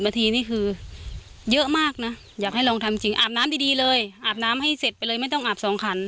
ทีนี่คือเยอะมากนะอยากให้ลองทำจริงอาบน้ำดีเลยอาบน้ำให้เสร็จไปเลยไม่ต้องอาบสองขัน